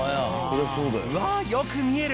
わあよく見える！